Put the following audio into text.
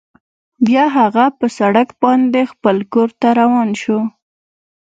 بیا هغه په سړک باندې خپل کور ته روان شو